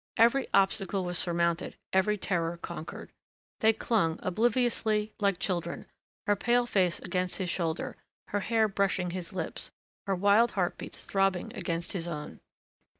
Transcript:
Every obstacle was surmounted, every terror conquered. They clung, obliviously, like children, her pale face against his shoulder, her hair brushing his lips, her wild heartbeats throbbing against his own.